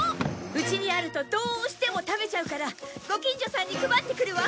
家にあるとどうしても食べちゃうからご近所さんに配ってくるわ！